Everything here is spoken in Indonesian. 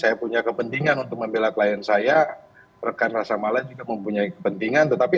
saya punya kepentingan untuk membela klien saya rekan rasa mala juga mempunyai kepentingan tetapi